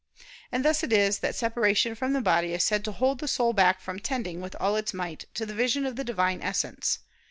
And thus it is that separation from the body is said to hold the soul back from tending with all its might to the vision of the Divine Essence.